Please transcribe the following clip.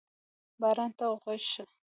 باران ته غوږ شه.